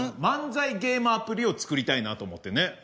漫才ゲームアプリを作りたいなと思ってね。